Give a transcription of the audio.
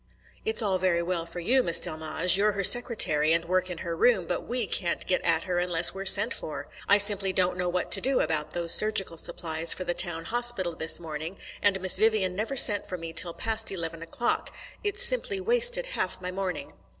"It's all very well for you, Miss Delmege you're her secretary and work in her room, but we can't get at her unless we're sent for. I simply didn't know what to do about those surgical supplies for the Town Hospital this morning, and Miss Vivian never sent for me till past eleven o'clock. It simply wasted half my morning."